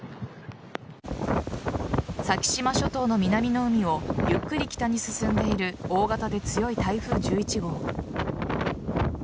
先島諸島の南の海をゆっくり北に進んでいる大型で強い台風１１号。